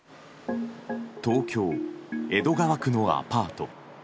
東京・江戸川区のアパート。